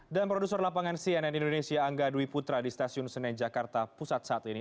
dan produser lapangan cnn indonesia angga dwi putra di stasiun senen jakarta pusat saat ini